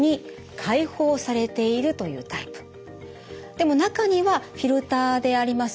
でも中にはフィルターであります